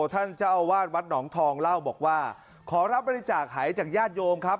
ท่านเจ้าอาวาสวัดหนองทองเล่าบอกว่าขอรับบริจาคหายจากญาติโยมครับ